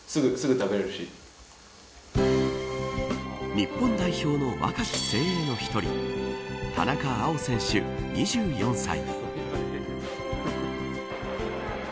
日本代表の若き精鋭の一人田中碧選手、２４歳。